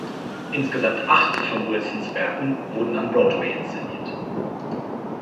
Insgesamt acht von Wilsons Werken wurden am Broadway inszeniert.